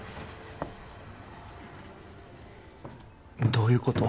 どういうこと？